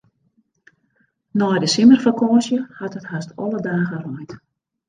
Nei de simmerfakânsje hat it hast alle dagen reind.